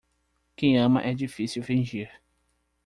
Quem ama é difícil fingir.